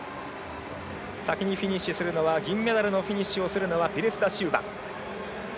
先にフィニッシュするのは銀メダルのフィニッシュをするのはピレスダシウバ。